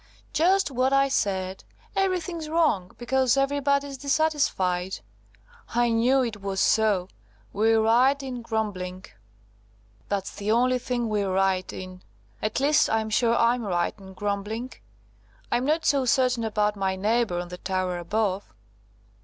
"Just what I said! Everything's wrong, because everybody's dissatisfied. I knew it was so. We're right in grumbling; that's the only thing we're right in. At least, I'm sure I'm right in grumbling. I'm not so certain about my neighbour on the tower above.